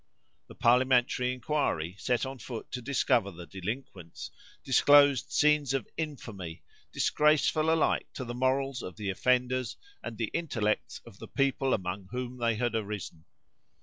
The parliamentary inquiry, set on foot to discover the delinquents, disclosed scenes of infamy, disgraceful alike to the morals of the offenders and the intellects of the people among whom they had arisen.